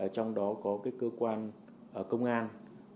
trong đó có cơ quan công an